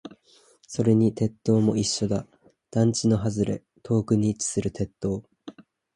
それに鉄塔も一緒だ。団地の外れ、遠くに位置する鉄塔。